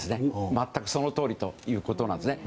全くそのとおりということです。